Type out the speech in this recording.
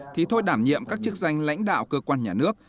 thì thôi đảm nhiệm các chức danh lãnh đạo cơ quan nhà nước